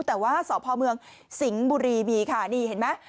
แต่ว่าสพเมืองสิงห์บุรีมีค่ะนี่เห็นไหม